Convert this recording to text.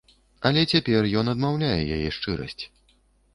Але цяпер ён адмаўляе яе шчырасць.